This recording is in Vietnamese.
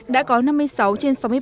đã có năm mươi sáu trên sáu mươi ba tỉnh